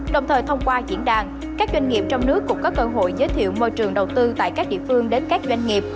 đồng thời thông qua diễn đàn các doanh nghiệp trong nước cũng có cơ hội giới thiệu môi trường đầu tư tại các địa phương đến các doanh nghiệp